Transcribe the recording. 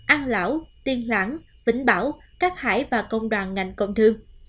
an lão tiên lãng vĩnh bảo cát hải và công đoàn ngành công thương